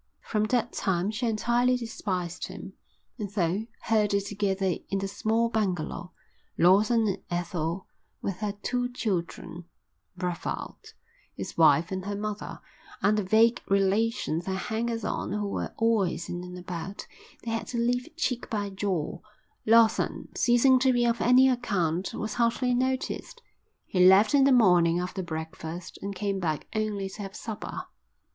From that time she entirely despised him; and though, herded together in the small bungalow, Lawson and Ethel with her two children, Brevald, his wife and her mother, and the vague relations and hangers on who were always in and about, they had to live cheek by jowl, Lawson, ceasing to be of any account, was hardly noticed. He left in the morning after breakfast, and came back only to have supper.